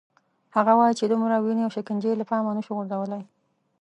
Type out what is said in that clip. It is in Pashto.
هغه وايي چې دومره وینې او شکنجې له پامه نه شو غورځولای.